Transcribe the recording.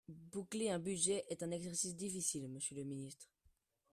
Boucler un budget est un exercice difficile, monsieur le ministre.